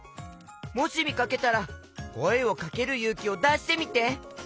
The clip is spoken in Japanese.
もしみかけたらこえをかけるゆうきをだしてみて！